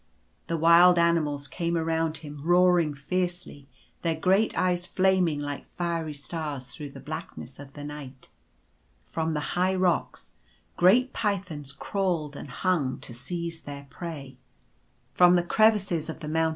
The wild animals came around him roaring fiercely — their great eyes flaming like fiery stars through the blackness of the night. From the high rocks great pythons crawled and hung to seize their prey. From the crevices of the moun 144 Tfo terrors of the Way.